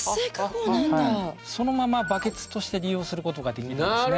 そのままバケツとして利用することができるんですね。